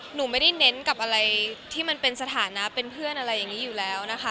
หนูไม่ได้เน้นกับอะไรที่มันเป็นสถานะเป็นเพื่อนอะไรอย่างนี้อยู่แล้วนะคะ